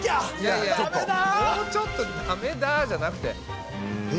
もうちょっとだめだじゃなくて！